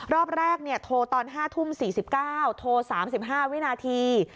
รอบแรกโทรตอน๕ทุ่ม๔๙โทร๓๕วินาที